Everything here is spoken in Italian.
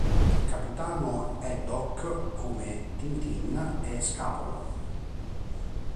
Il capitano Haddock, come Tintin, è scapolo.